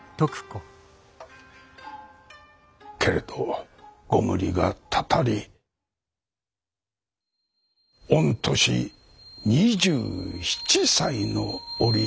けれどご無理がたたり御年２７歳の折。